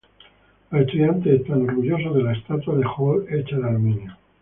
Los estudiantes están orgullosos de la estatua de Hall hecha de aluminio.